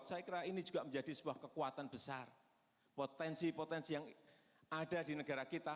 saya kira ini juga menjadi sebuah kekuatan besar potensi potensi yang ada di negara kita